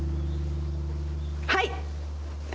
はい！